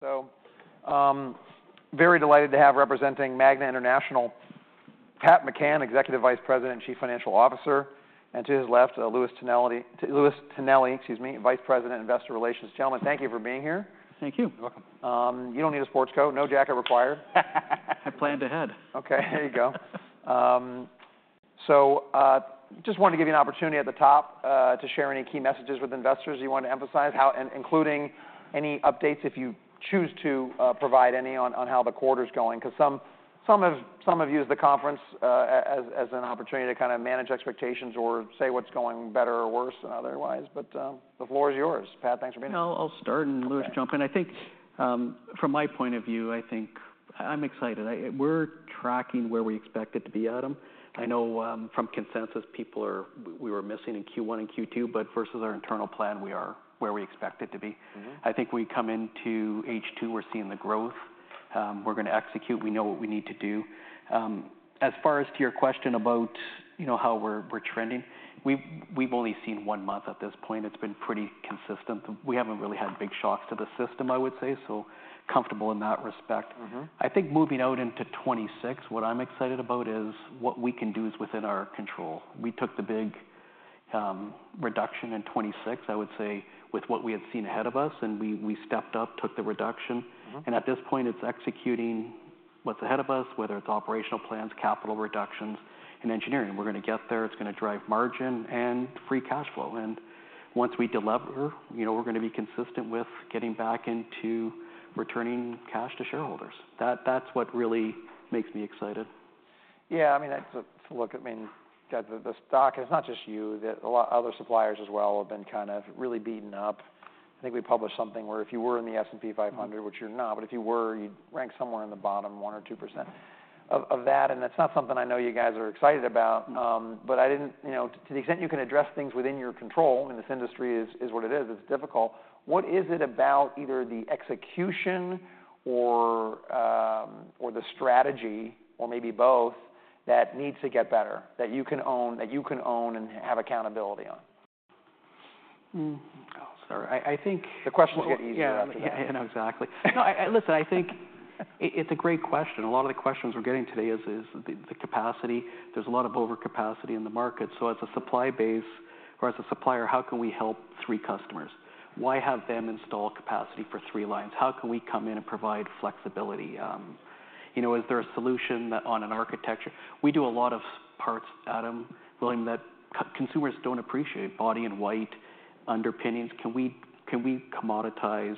So, very delighted to have, representing Magna International, Patrick McCann, Executive Vice President and Chief Financial Officer, and to his left, Louis Tonelli, excuse me, Vice President, Investor Relations. Gentlemen, thank you for being here. Thank you. You're welcome. You don't need a sports coat. No jacket required. I planned ahead. Okay, there you go. So, just wanted to give you an opportunity at the top to share any key messages with investors you want to emphasize, including any updates, if you choose to provide any, on how the quarter's going. 'Cause some have used the conference as an opportunity to kind of manage expectations or say what's going better or worse otherwise, but the floor is yours. Pat, thanks for being here. I'll start and Louis will jump in. I think, from my point of view, I think I'm excited. We're tracking where we expected to be, Adam. I know, from consensus, people are... We were missing in Q1 and Q2, but versus our internal plan, we are where we expected to be. I think we come into H2, we're seeing the growth. We're gonna execute. We know what we need to do. As far as to your question about, you know, how we're trending, we've only seen one month at this point. It's been pretty consistent. We haven't really had big shocks to the system, I would say, so comfortable in that respect. I think moving out into 2026, what I'm excited about is what we can do is within our control. We took the big reduction in 2026, I would say, with what we had seen ahead of us, and we stepped up, took the reduction. And at this point, it's executing what's ahead of us, whether it's operational plans, capital reductions, and engineering. We're gonna get there. It's gonna drive margin and free cash flow. And once we delever, you know, we're gonna be consistent with getting back into returning cash to shareholders. That, that's what really makes me excited. Yeah, I mean, that's a look. I mean, the stock. It's not just you, a lot of other suppliers as well have been kind of really beaten up. I think we published something where if you were in the S&P 500 which you're not, but if you were, you'd rank somewhere in the bottom one or two% of that, and that's not something I know you guys are excited about. But I didn't. You know, to the extent you can address things within your control, and this industry is what it is, it's difficult. What is it about either the execution or the strategy, or maybe both, that needs to get better, that you can own, that you can own and have accountability on? Oh, sorry. I think- The questions get easier after that. Yeah. I know, exactly. No, I... Listen, I think it, it's a great question. A lot of the questions we're getting today is the capacity. There's a lot of overcapacity in the market, so as a supply base or as a supplier, how can we help three customers? Why have them install capacity for three lines? How can we come in and provide flexibility? You know, is there a solution that on an architecture... We do a lot of parts, Adam, William, that consumers don't appreciate, body-in-white underpinnings. Can we, can we commoditize,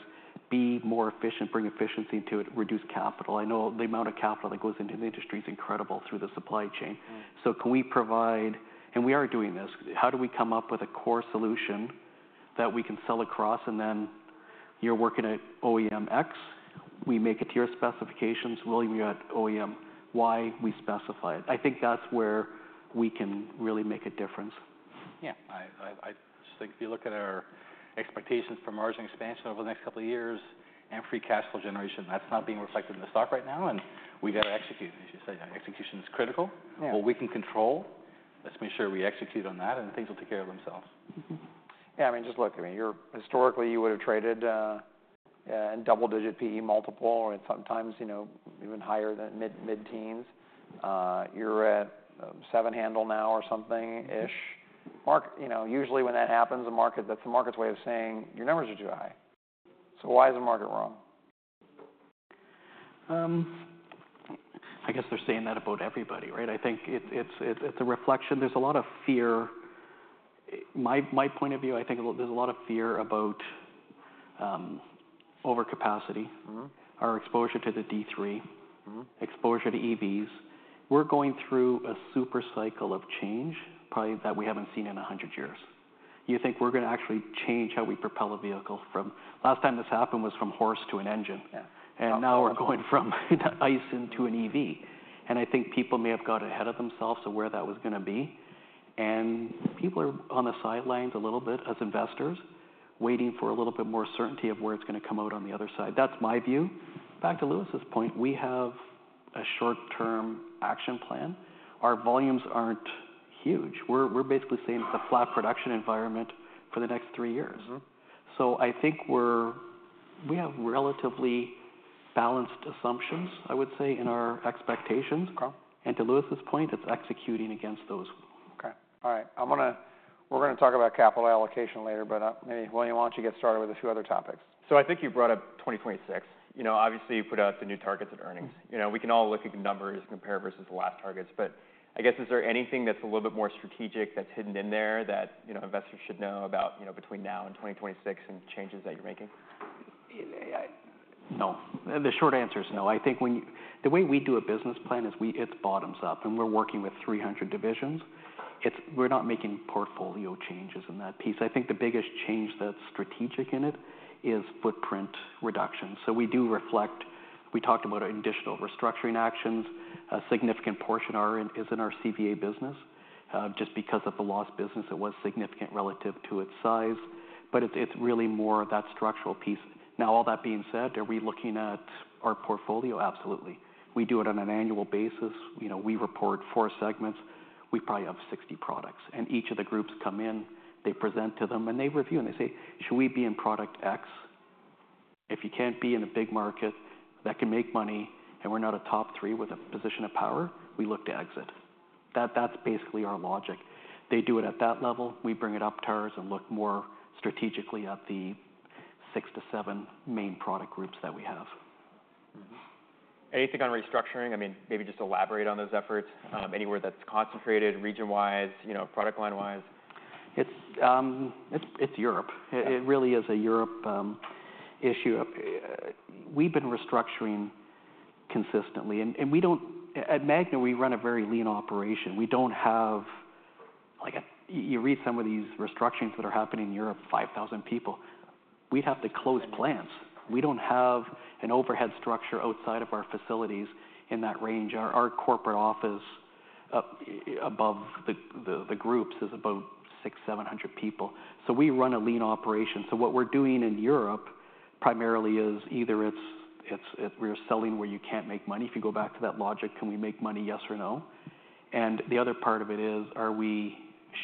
be more efficient, bring efficiency to it, reduce capital? I know the amount of capital that goes into the industry is incredible through the supply chain. Right. So can we provide... And we are doing this. How do we come up with a core solution that we can sell across, and then you're working at OEM X, we make it to your specifications. William, you got OEM Y, we specify it. I think that's where we can really make a difference. Yeah. I just think if you look at our expectations for margin expansion over the next couple of years and free cash flow generation, that's not being reflected in the stock right now, and we've got to execute, as you say. Execution is critical. Yeah. What we can control, let's make sure we execute on that, and things will take care of themselves. Yeah, I mean, just look, I mean, you're historically, you would've traded in double-digit PE multiple or sometimes, you know, even higher than mid-teens. You're at seven handle now or something-ish. Mark, you know, usually when that happens, the market, that's the market's way of saying, "Your numbers are too high." So why is the market wrong? I guess they're saying that about everybody, right? I think it's a reflection. There's a lot of fear. My point of view, I think there's a lot of fear about overcapacity our exposure to the D3 exposure to EVs. We're going through a super cycle of change, probably that we haven't seen in a hundred years. You think we're gonna actually change how we propel a vehicle from... Last time this happened was from horse to an engine. Now we're going from ICE into an EV, and I think people may have got ahead of themselves of where that was gonna be. People are on the sidelines a little bit, as investors, waiting for a little bit more certainty of where it's gonna come out on the other side. That's my view. Back to Louis's point, we have a short-term action plan. Our volumes aren't huge. We're basically saying it's a flat production environment for the next three years. So I think we have relatively balanced assumptions, I would say, in our expectations. To Louis's point, it's executing against those. Okay. All right, we're gonna talk about capital allocation later, but maybe, William, why don't you get started with a few other topics? I think you brought up 2026. You know, obviously, you put out the new targets of earnings. You know, we can all look at the numbers and compare versus the last targets, but I guess, is there anything that's a little bit more strategic that's hidden in there that, you know, investors should know about, you know, between now and 2026 and changes that you're making? No. The short answer is no. I think the way we do a business plan is it's bottoms up, and we're working with 300 divisions. It's. We're not making portfolio changes in that piece. I think the biggest change that's strategic in it is footprint reduction. So we do reflect. We talked about additional restructuring actions. A significant portion is in our CVA business. Just because of the lost business, it was significant relative to its size, but it's really more of that structural piece. Now, all that being said, are we looking at our portfolio? Absolutely. We do it on an annual basis. You know, we report four segments. We probably have 60 products, and each of the groups come in, they present to them, and they review and they say, "Should we be in product X?"... If you can't be in a big market that can make money, and we're not a top three with a position of power, we look to exit. That, that's basically our logic. They do it at that level, we bring it up to ours and look more strategically at the six to seven main product groups that we have. Anything on restructuring? I mean, maybe just elaborate on those efforts, anywhere that's concentrated region-wise, you know, product line-wise? It's Europe. It really is a European issue. We've been restructuring consistently, and we don't. At Magna, we run a very lean operation. We don't have. Like, you read some of these restructurings that are happening in Europe, 5,000 people. We'd have to close plants. We don't have an overhead structure outside of our facilities in that range. Our corporate office above the groups is about 600-700 people. So we run a lean operation. So what we're doing in Europe primarily is either it's we're selling where you can't make money. If you go back to that logic, can we make money? Yes or no. And the other part of it is, are we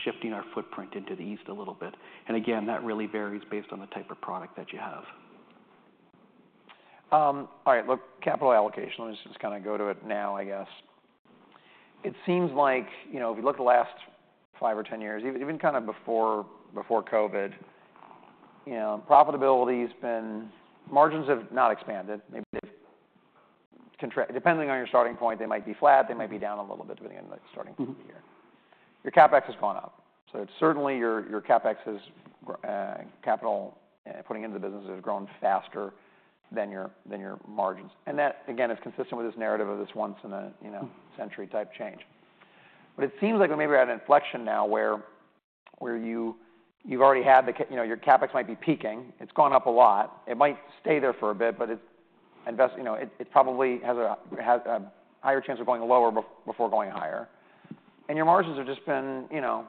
shifting our footprint into the East a little bit? And again, that really varies based on the type of product that you have. All right, look, capital allocation, let me just kind of go to it now, I guess. It seems like, you know, if you look at the last five or ten years, even kind of before COVID, you know, profitability has been. Margins have not expanded. Maybe they've contracted. Depending on your starting point, they might be flat, they might be down a little bit depending on the starting point here. Your CapEx has gone up. So certainly, your CapEx is capital putting into the business has grown faster than your margins. And that, again, is consistent with this narrative of this once in a, you know century type change. But it seems like we maybe are at an inflection now where you, you've already had, you know, your CapEx might be peaking. It's gone up a lot. It might stay there for a bit, but you know, it probably has a higher chance of going lower before going higher. And your margins have just been, you know,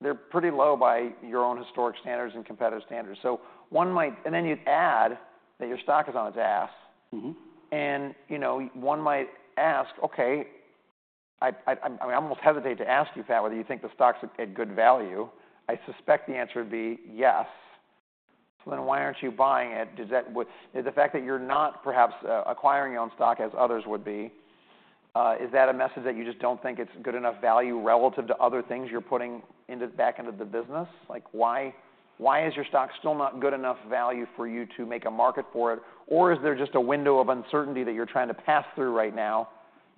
they're pretty low by your own historic standards and competitive standards. So one might... And then you add that your stock is on its ass. You know, one might ask, okay, I almost hesitate to ask you, Pat, whether you think the stock's at good value. I suspect the answer would be yes. So then why aren't you buying it? Does that? Would the fact that you're not perhaps acquiring your own stock as others would be a message that you just don't think it's good enough value relative to other things you're putting back into the business? Like, why is your stock still not good enough value for you to make a market for it? Or is there just a window of uncertainty that you're trying to pass through right now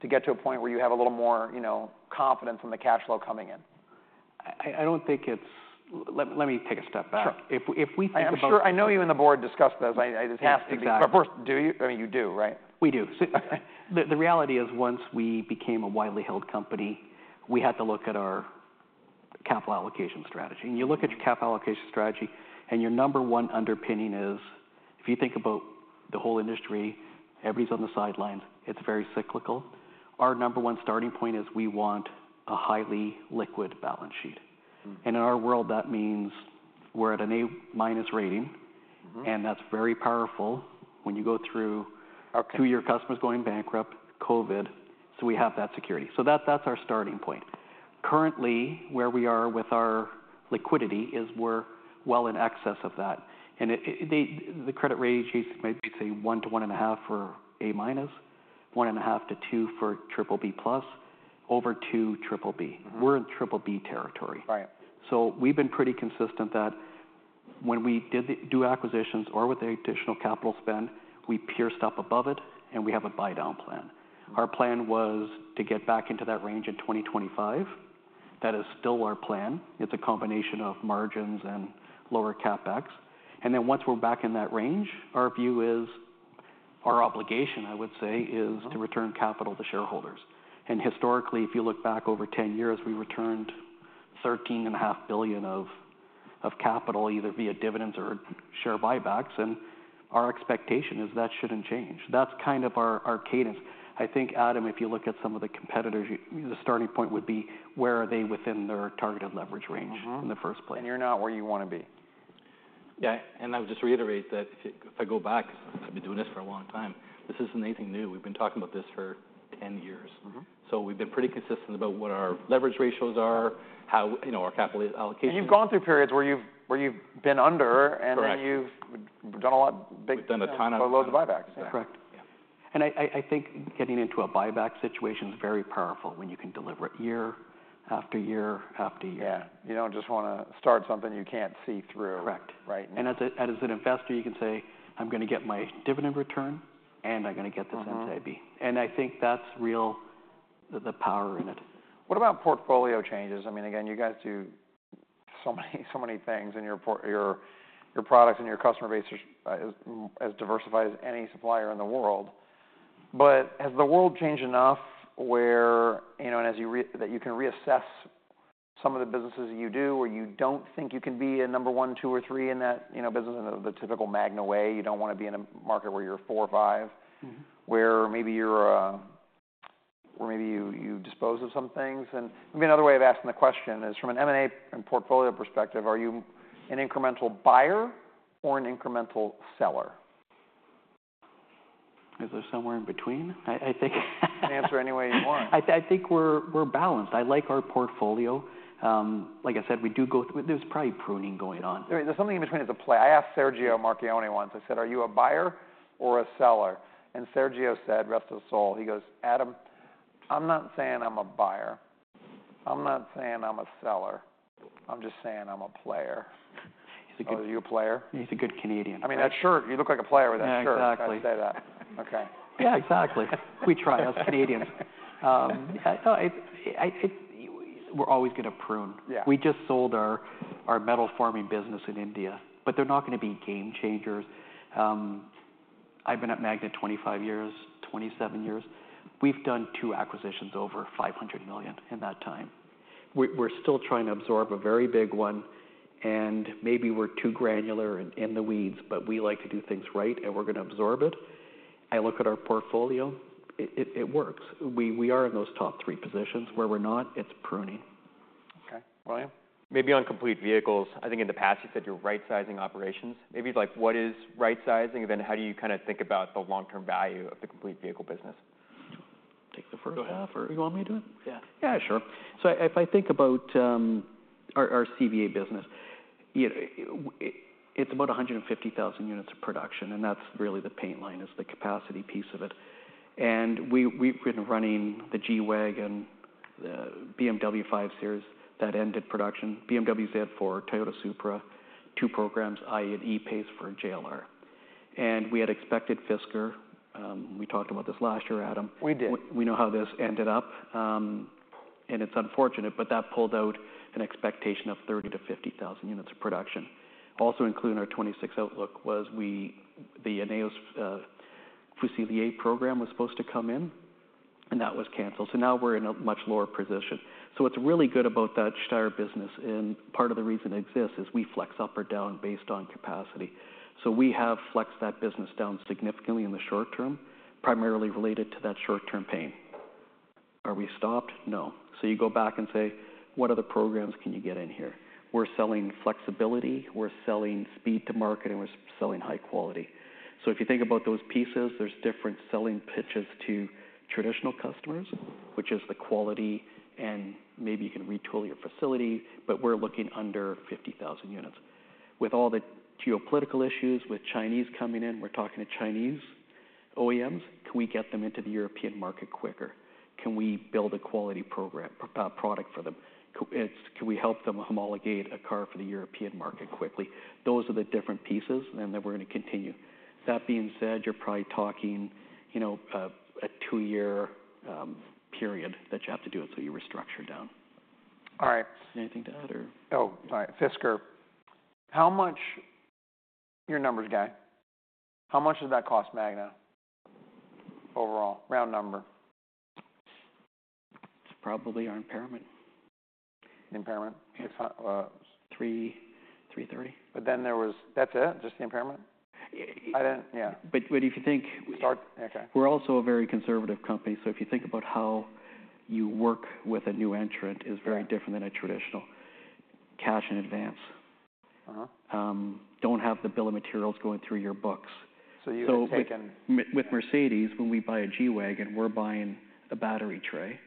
to get to a point where you have a little more, you know, confidence in the cash flow coming in? I don't think it's... Let me take a step back. Sure. If we think about- I'm sure, I know you and the board discussed this. I just- It has to be. Of course. Do you? I mean, you do, right? We do. The reality is, once we became a widely held company, we had to look at our capital allocation strategy, and you look at your capital allocation strategy, and your number one underpinning is, if you think about the whole industry, everybody's on the sidelines. It's very cyclical. Our number one starting point is we want a highly liquid balance sheet. In our world, that means we're at an A-minus rating. And that's very powerful when you go through two of your customers going bankrupt, COVID, so we have that security. So that, that's our starting point. Currently, where we are with our liquidity is we're well in excess of that. And the credit rating might be, say, one to one and a half for A-minus, one and a half to two for triple B plus, over two triple B. We're in Triple B territory. Right. We've been pretty consistent that when we did the acquisitions or with the additional capital spend, we pierced up above it, and we have a buy-down plan. Our plan was to get back into that range in 2025. That is still our plan. It's a combination of margins and lower CapEx. And then once we're back in that range, our view is, our obligation, I would say, is to return capital to shareholders, and historically, if you look back over ten years, we returned $13.5 billion of capital, either via dividends or share buybacks, and our expectation is that shouldn't change. That's kind of our cadence. I think, Adam, if you look at some of the competitors, the starting point would be where are they within their targeted leverage range in the first place? You're not where you wanna be. Yeah, and I would just reiterate that if I go back, I've been doing this for a long time. This isn't anything new. We've been talking about this for 10 years. So we've been pretty consistent about what our leverage ratios are, how, you know, our capital allocation You've gone through periods where you've been under- Correct And then you've done a lot big loads of buybacks. Correct. I think getting into a buyback situation is very powerful when you can deliver it year after year after year. Yeah. You don't just wanna start something you can't see through. Correct. Right. And as an investor, you can say, "I'm gonna get my dividend return, and I'm gonna get this in NCIB. I think that's real, the power in it. What about portfolio changes? I mean, again, you guys do so many, so many things, and your products and your customer base is as diversified as any supplier in the world. But has the world changed enough where, you know, that you can reassess some of the businesses you do, or you don't think you can be a number one, two, or three in that, you know, business? In the typical Magna way, you don't wanna be in a market where you're four or five. Where maybe you dispose of some things. And maybe another way of asking the question is, from an M&A and portfolio perspective, are you an incremental buyer or an incremental seller? Is there somewhere in between? I think You can answer any way you want. I think we're balanced. I like our portfolio. Like I said, we do go through. There's probably pruning going on. There, there's something in between as a play. I asked Sergio Marchionne once, I said, "Are you a buyer or a seller?" And Sergio said, rest his soul, he goes, "Adam, I'm not saying I'm a buyer, I'm not saying I'm a seller, I'm just saying I'm a player. He's a good. Are you a player? He's a good Canadian. I mean, that shirt. You look like a player with that shirt. Yeah, exactly. I have to say that. Okay. Yeah, exactly. We try. Us Canadians. We're always gonna prune. Yeah. We just sold our metal forming business in India, but they're not gonna be game changers. I've been at Magna 25 years, 27 years. We've done two acquisitions over $500 million in that time. We're still trying to absorb a very big one, and maybe we're too granular in the weeds, but we like to do things right, and we're gonna absorb it. I look at our portfolio, it works. We are in those top three positions. Where we're not, it's pruning. Okay. Brian? Maybe on complete vehicles, I think in the past, you said you're right-sizing operations. Maybe, like, what is right-sizing, and then how do you kinda think about the long-term value of the complete vehicle business? Yeah, sure. So if I think about our CVA business, you know, it is about 150,000 units of production, and that's really the paint line is the capacity piece of it. And we have been running the G-Wagen, the BMW 5 Series, that ended production. BMW Z4, Toyota Supra, two programs, I-PACE and E-PACE for JLR. And we had expected Fisker. We talked about this last year, Adam. We did. We know how this ended up, and it's unfortunate, but that pulled out an expectation of 30-50 thousand units of production. Also included in our 2026 outlook was the Ineos Fusilier program supposed to come in, and that was canceled. So now we're in a much lower position. So what's really good about that Steyr business, and part of the reason it exists, is we flex up or down based on capacity. So we have flexed that business down significantly in the short term, primarily related to that short-term pain. Are we stopped? No. So you go back and say, "What other programs can you get in here?" We're selling flexibility, we're selling speed to market, and we're selling high quality. So if you think about those pieces, there's different selling pitches to traditional customers, which is the quality, and maybe you can retool your facility, but we're looking under 50,000 units. With all the geopolitical issues, with Chinese coming in, we're talking to Chinese OEMs. Can we get them into the European market quicker? Can we build a quality program, product for them? It's. Can we help them homologate a car for the European market quickly? Those are the different pieces, and then we're gonna continue. That being said, you're probably talking, you know, a two-year period that you have to do it until you restructure down. All right. Anything to add or- Oh, all right. Fisker. How much... You're a numbers guy. How much does that cost Magna overall? Round number. It's probably our impairment. Impairment? It's 3:30 P.M. But then there was... That's it? Just the impairment? But if you think. We're also a very conservative company, so if you think about how you work with a new entrant is very different than a traditional cash in advance. Don't have the bill of materials going through your books. So you have taken- With Mercedes, when we buy a G-Wagen, we're buying a battery tray.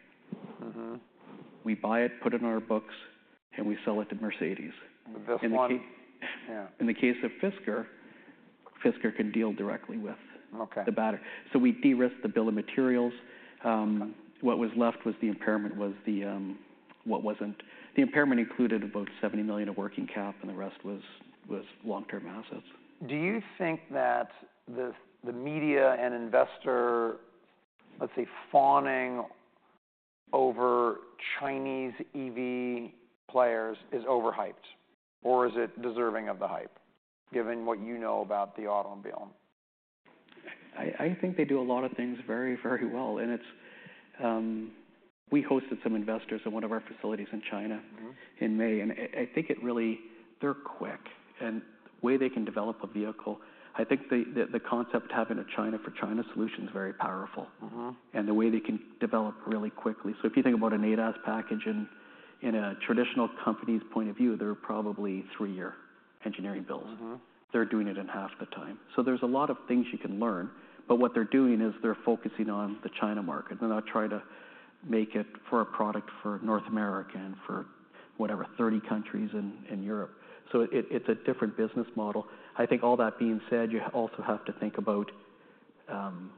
We buy it, put it in our books, and we sell it to Mercedes. In the case of Fisker, Fisker can deal directly with the battery. So we de-risked the bill of materials. What was left was the impairment. The impairment included about $70 million of working cap, and the rest was long-term assets. Do you think that the media and investor, let's say, fawning over Chinese EV players is overhyped, or is it deserving of the hype, given what you know about the automobile? I think they do a lot of things very, very well, and it's... We hosted some investors in one of our facilities in China in May, and I think it really. They're quick, and the way they can develop a vehicle, I think the concept of having a China for China solution is very powerful. The way they can develop really quickly. So if you think about an ADAS package in a traditional company's point of view, they're probably three-year engineering builds. They're doing it in half the time. So there's a lot of things you can learn, but what they're doing is they're focusing on the China market. They're not trying to make it for a product for North America and for, whatever, 30 countries in Europe. So it, it's a different business model. I think all that being said, you also have to think about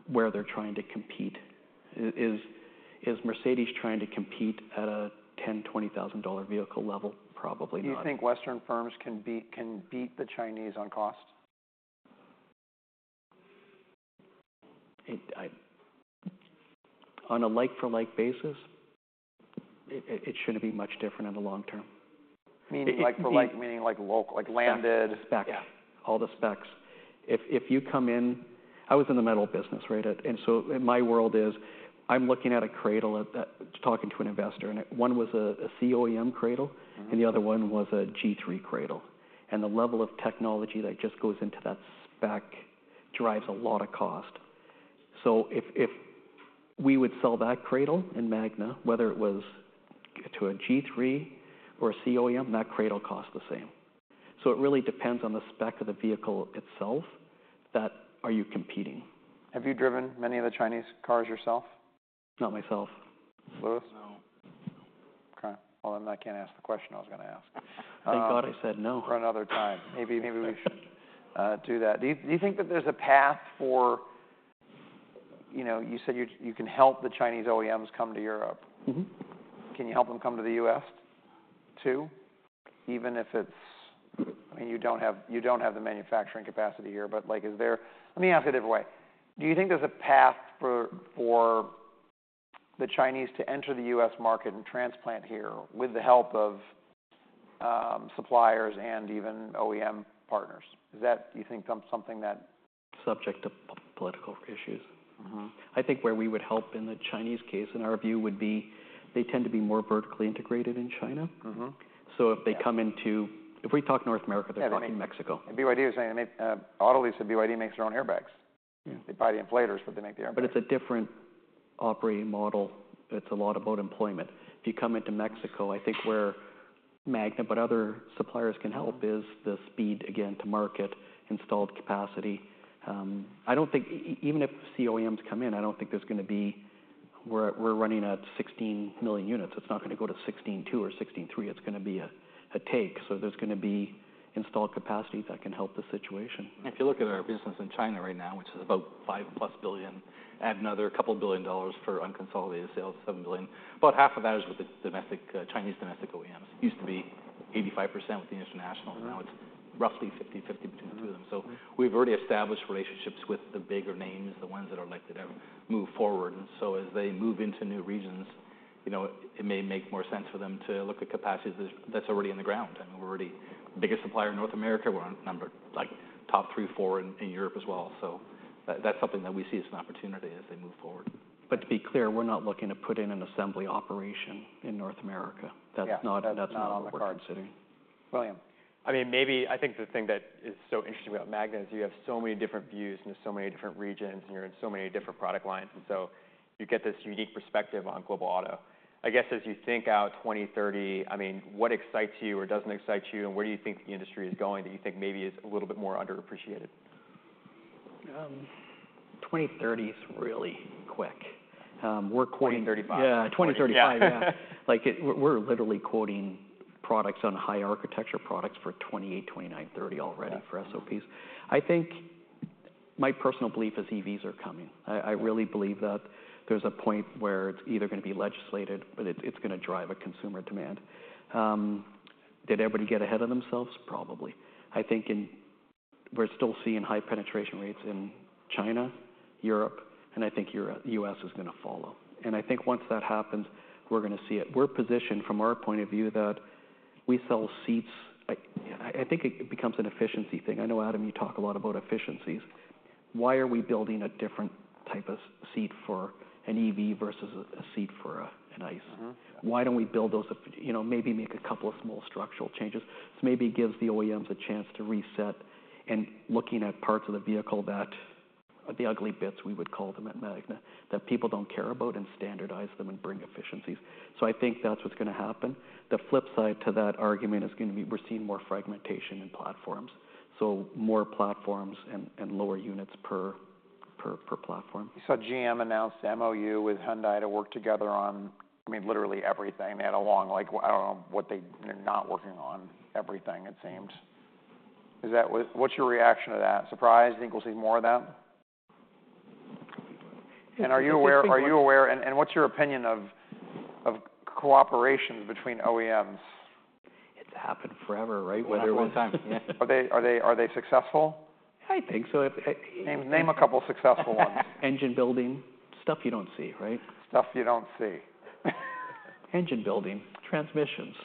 where they're trying to compete. Is Mercedes trying to compete at a $10,000-$20,000 vehicle level? Probably not. Do you think Western firms can beat the Chinese on cost? On a like for like basis, it shouldn't be much different in the long term. It, the- Meaning like for like, meaning like local, like landed- Specs. Yeah. All the specs. If you come in... I was in the metal business, right? And so my world is, I'm looking at a cradle at that... Talking to an investor, and one was a C-OEM cradle and the other one was a G3 cradle, and the level of technology that just goes into that spec drives a lot of cost. So if we would sell that cradle in Magna, whether it was to a G3 or a C-OEM, that cradle costs the same. So it really depends on the spec of the vehicle itself, that are you competing? Have you driven many of the Chinese cars yourself? Not myself. Louis? No. Okay, well, then I can't ask the question I was gonna ask. Thank God I said no. For another time. Maybe, maybe we should do that. Do you, do you think that there's a path for. You know, you said you, you can help the Chinese OEMs come to Europe? Can you help them come to the U.S. too? Even if it's- I mean, you don't have the manufacturing capacity here, but, like, is there... Let me ask it a different way. Do you think there's a path for the Chinese to enter the U.S. market and transplant here with the help of suppliers and even OEM partners? Is that, you think, something that. Subject to political issues. Mm-hmm. I think where we would help in the Chinese case, in our view, would be, they tend to be more vertically integrated in China. If we talk North America, they're talking Mexico. BYD Auto said BYD makes their own airbags. They buy the inflators, but they make the airbags. But it's a different operating model. It's a lot about employment. If you come into Mexico, I think where Magna, but other suppliers can help, is the speed, again, to market, installed capacity. Even if C-OEMs come in, I don't think there's gonna be. We're running at 16 million units. It's not gonna go to 16.2 or 16.3. It's gonna be a take, so there's gonna be installed capacity that can help the situation. If you look at our business in China right now, which is about $5-plus billion, add another couple billion dollars for unconsolidated sales, $7 billion, about half of that is with the domestic, Chinese domestic OEMs. It used to be 85% with the international now it's roughly fifty-fifty between the two of them. So we've already established relationships with the bigger names, the ones that are likely to move forward. So as they move into new regions, you know, it may make more sense for them to look at capacities that's already on the ground. I mean, we're already the biggest supplier in North America. We're number one, like, top three, four in Europe as well. So that's something that we see as an opportunity as they move forward. But to be clear, we're not looking to put in an assembly operation in North America. That's not on the cards what we're considering. William? I mean, maybe I think the thing that is so interesting about Magna is you have so many different views, and there's so many different regions, and you're in so many different product lines, and so you get this unique perspective on global auto. I guess, as you think out 2030, I mean, what excites you or doesn't excite you, and where do you think the industry is going, that you think maybe is a little bit more underappreciated? 2030 is really quick. We're quoting- 2035. Yeah, 2035. Like, it, we're literally quoting products on high architecture products for 2028, 2029, 2030 already for SOPs. I think my personal belief is EVs are coming. I really believe that there's a point where it's either gonna be legislated, but it's gonna drive a consumer demand. Did everybody get ahead of themselves? Probably. I think in... We're still seeing high penetration rates in China, Europe, and I think Europe, US is gonna follow. And I think once that happens, we're gonna see it. We're positioned, from our point of view, that we sell seats. Like, I think it becomes an efficiency thing. I know, Adam, you talk a lot about efficiencies. Why are we building a different type of seat for an EV versus a seat for an ICE? Why don't we build those? You know, maybe make a couple of small structural changes? This maybe gives the OEMs a chance to reset and looking at parts of the vehicle that, the ugly bits, we would call them at Magna, that people don't care about and standardize them and bring efficiencies. So I think that's what's gonna happen. The flip side to that argument is gonna be we're seeing more fragmentation in platforms, so more platforms and lower units per platform. So GM announced the MOU with Hyundai to work together on, I mean, literally everything. They had a long... Like, I don't know what they're not working on. Everything, it seems. What's your reaction to that? Surprised? You think we'll see more of them? And are you aware. And what's your opinion of cooperation between OEMs? It's happened forever, right? Whether one time. Are they successful? I think so. Name a couple of successful ones. Engine building. Stuff you don't see, right? Stuff you don't see. Engine building, transmissions.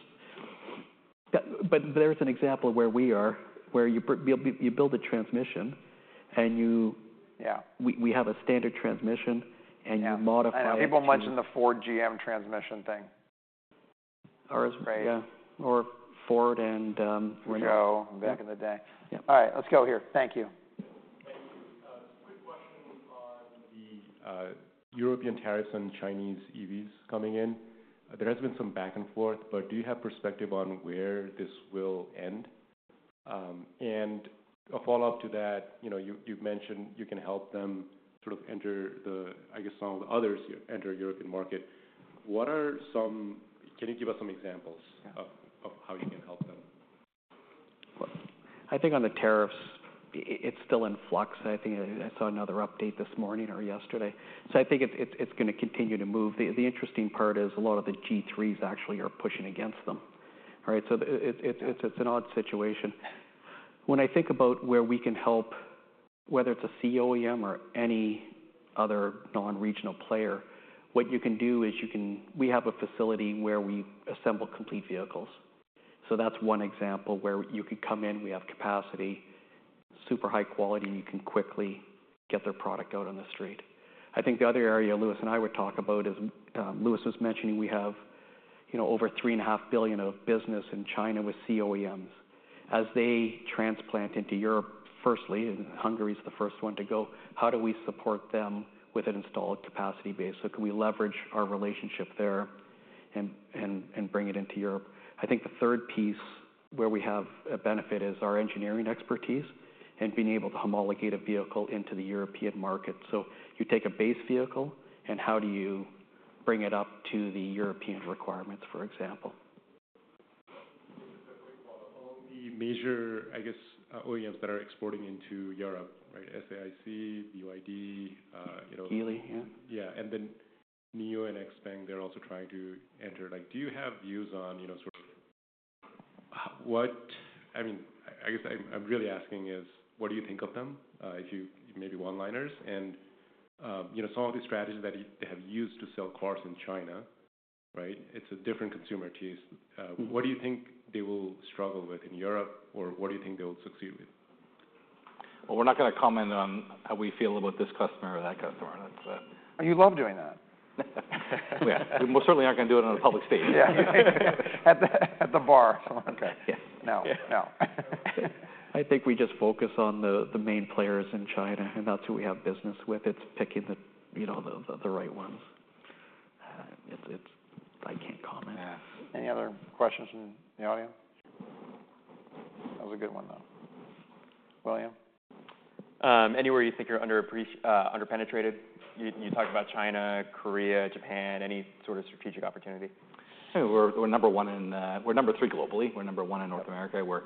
But there's an example of where we are, where you build a transmission and you we have a standard transmission, and you modify it to. People mention the Ford-GM transmission thing. Yeah, or Ford and Renault. Renault, back in the day. All right, let's go here. Thank you. Thank you. Quick question on the European tariffs on Chinese EVs coming in. There has been some back and forth, but do you have perspective on where this will end? And a follow-up to that, you know, you've mentioned you can help them sort of enter the... I guess all the others enter European market. What are some... Can you give us some examples of how you can help them? I think on the tariffs, it's still in flux. I think I saw another update this morning or yesterday, so I think it's gonna continue to move. The interesting part is a lot of the G3s actually are pushing against them, right? It's an odd situation. When I think about where we can help, whether it's a C-OEM or any other non-regional player, what you can do is we have a facility where we assemble complete vehicles. So that's one example where you could come in, we have capacity, super high quality, and you can quickly get their product out on the street. I think the other area Louis and I would talk about is Louis was mentioning we have, you know, over $3.5 billion of business in China with C-OEMs. As they transplant into Europe, firstly, and Hungary is the first one to go, how do we support them with an installed capacity base? So can we leverage our relationship there and bring it into Europe? I think the third piece where we have a benefit is our engineering expertise and being able to homologate a vehicle into the European market. So you take a base vehicle, and how do you bring it up to the European requirements, for example? Of the major, I guess, OEMs that are exporting into Europe, right, SAIC, BYD, you know. Geely, yeah. Yeah, and then NIO and XPENG, they're also trying to enter. Like, do you have views on, you know, sort of, I mean, I guess I'm really asking is: What do you think of them? If you maybe one-liners. And, you know, some of the strategies that they have used to sell cars in China, right? It's a different consumer case. What do you think they will struggle with in Europe, or what do you think they will succeed with? We're not gonna comment on how we feel about this customer or that customer. Oh, you love doing that. Yeah. We most certainly aren't gonna do it on a public stage. Yeah. At the bar. Okay. Yeah. No. Yeah. I think we just focus on the main players in China, and that's who we have business with. It's picking the, you know, the right ones. It's. I can't comment. Yeah. Any other questions from the audience? That was a good one, though. William? Anywhere you think you're underpenetrated? You talked about China, Korea, Japan. Any sort of strategic opportunity? So we're number one in. We're number three globally. We're number one in North America. We're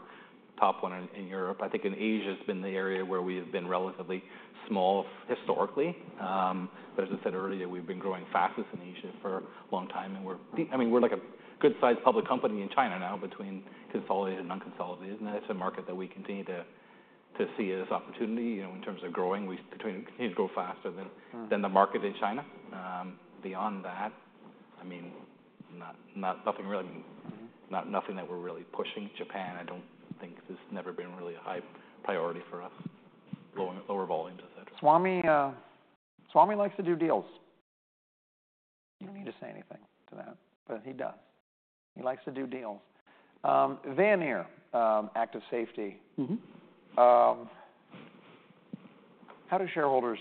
top one in Europe. I think in Asia has been the area where we have been relatively small, historically. But as I said earlier, we've been growing fastest in Asia for a long time, and we're. I mean, we're like a good-sized public company in China now, between consolidated and unconsolidated. And it's a market that we continue to see as opportunity. You know, in terms of growing, we continue to grow faster than the market in China. Beyond that, I mean, nothing that we're really pushing. Japan, I don't think, has never been really a high priority for us. Lower, lower volumes, I'd say. Swamy Kotagiri likes to do deals. You don't need to say anything to that, but he does. He likes to do deals. Veoneer, Active Safety. How do shareholders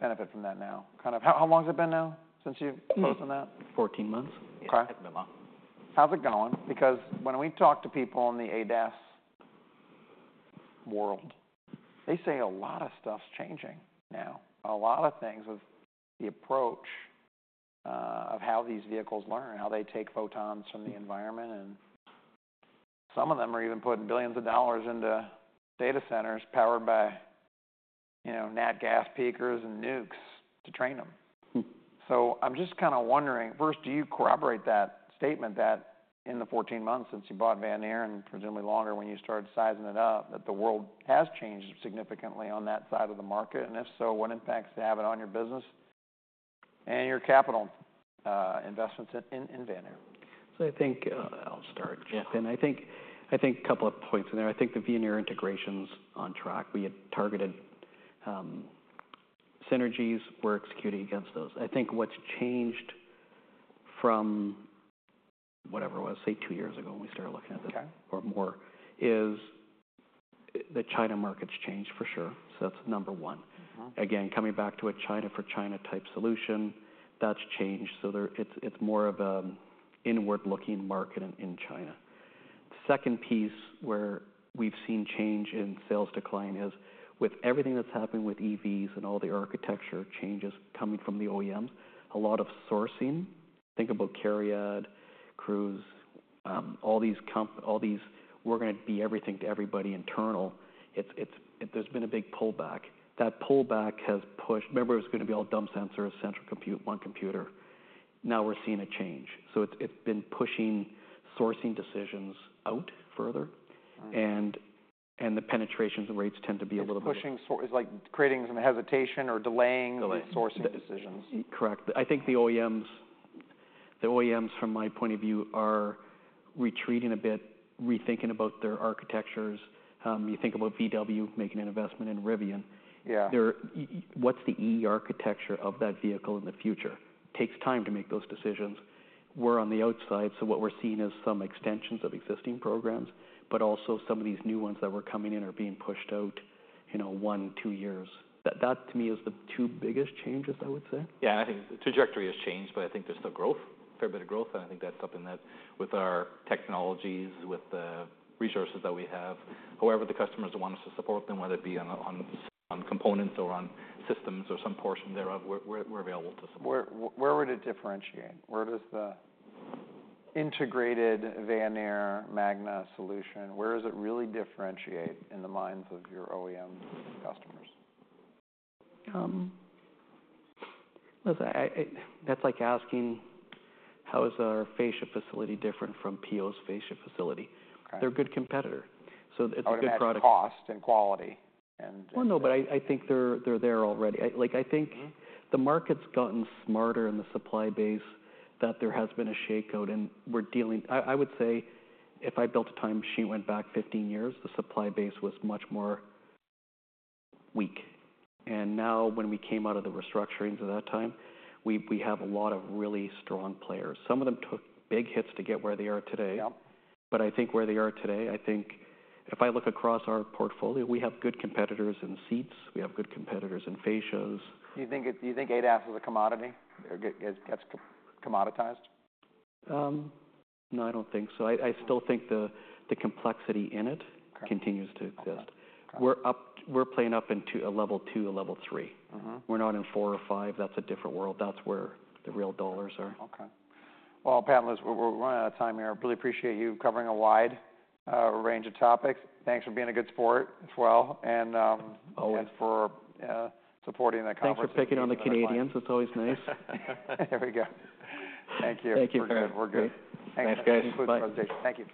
benefit from that now? Kind of, how long has it been now since you've closed on that? Fourteen months. Okay. It's been a while. How's it going? Because when we talk to people in the ADAS world, they say a lot of stuff's changing now, a lot of things with the approach of how these vehicles learn, how they take photons from the environment, and some of them are even putting billions of dollars into data centers powered by, you know, nat gas peakers and nukes to train them I'm just kind of wondering, first, do you corroborate that statement that in the fourteen months since you bought Veoneer, and presumably longer when you started sizing it up, that the world has changed significantly on that side of the market? And if so, what impacts is it having on your business and your capital investments in Veoneer? So I think, I'll start. I think a couple of points in there. I think the Veoneer integration's on track. We had targeted synergies. We're executing against those. I think what's changed from whatever it was, say, two years ago when we started looking at it or more, is the China market's changed for sure. So that's number one. Again, coming back to a China-for-China type solution, that's changed. So there. It's, it's more of an inward-looking market in China. Second piece where we've seen change in sales decline is with everything that's happened with EVs and all the architecture changes coming from the OEMs, a lot of sourcing, think about CARIAD, Cruise, all these "we're gonna be everything to everybody" internal, it's. There's been a big pullback. That pullback has pushed. Remember, it was gonna be all dumb sensor, a central compute, one computer. Now we're seeing a change. So it's been pushing sourcing decisions out further. The penetration rates tend to be a little- It's, like, creating some hesitation or delaying the sourcing decisions. Correct. I think the OEMs, from my point of view, are retreating a bit, rethinking about their architectures. You think about VW making an investment in Rivian. What's the EE architecture of that vehicle in the future? Takes time to make those decisions. We're on the outside, so what we're seeing is some extensions of existing programs, but also some of these new ones that were coming in are being pushed out, you know, one, two years. That, that to me is the two biggest changes, I would say. Yeah, I think the trajectory has changed, but I think there's still growth, a fair bit of growth, and I think that's something that with our technologies, with the resources that we have, however the customers want us to support them, whether it be on components or on systems or some portion thereof, we're available to support. Where, where would it differentiate? Where does the integrated Veoneer-Magna solution, where does it really differentiate in the minds of your OEM customers? Listen, that's like asking: How is our fascia facility different from Plastic Omnium's fascia facility? They're a good competitor, so it's a good product. I would imagine cost and quality and- No, but I think they're there already. Like, I think the market's gotten smarter in the supply base, that there has been a shakeout and we're dealing. I would say if I built a time machine, went back fifteen years, the supply base was much more weak. And now when we came out of the restructurings at that time, we have a lot of really strong players. Some of them took big hits to get where they are today. Yep. But I think where they are today, I think if I look across our portfolio, we have good competitors in seats, we have good competitors in fascias. Do you think ADAS is a commodity, or gets commoditized? No, I don't think so. I still think the complexity in it continues to exist. We're playing up into a level two or level three. We're not in four or five. That's a different world. That's where the real dollars are. Okay. Well, panelists, we're running out of time here. I really appreciate you covering a wide range of topics. Thanks for being a good sport as well, and and for supporting the conference. Thanks for picking on the Canadians. It's always nice. There we go. Thank you. Thank you. Thanks, guys. Bye. Thank you.